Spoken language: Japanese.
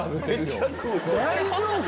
大丈夫？